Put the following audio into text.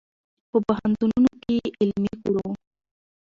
په پوهنتونونو کې یې علمي کړو.